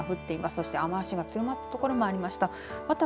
そして雨足が強まった所もありました。